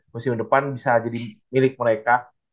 musim depan bisa jadi milik mereka